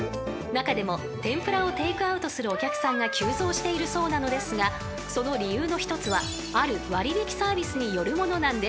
［中でも天ぷらをテークアウトするお客さんが急増しているそうなのですがその理由の一つはある割引サービスによるものなんです］